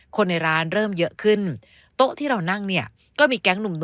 คนในร้านเริ่มเยอะขึ้นโต๊ะที่เรานั่งเนี่ยก็มีแก๊งหนุ่ม